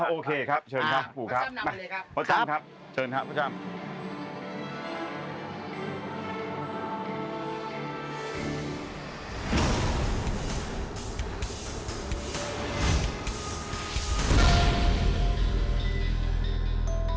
โอเคครับเชิญครับผู้ครับมาผู้ชำครับเชิญครับผู้ชำ